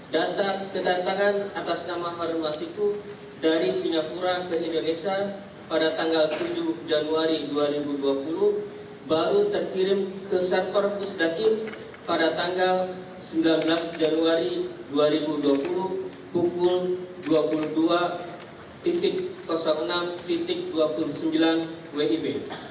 data kedatangan atas nama harun masiku dari singapura ke indonesia pada tanggal tujuh januari dua ribu dua puluh baru terkirim ke server pusdakin pada tanggal sembilan belas januari dua ribu dua puluh pukul dua puluh dua enam dua puluh sembilan wib